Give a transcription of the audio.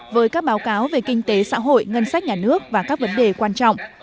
với các báo cáo về kinh tế xã hội ngân sách nhà nước và các vấn đề quan trọng